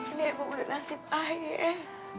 ini emang udah nasib ayek